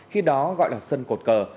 khi đó gọi là sân cột cờ